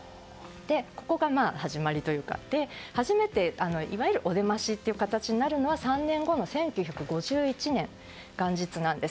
ここが始まりということで初めて、いわゆるお出ましという形になるのは３年後の１９５１年元日なんです。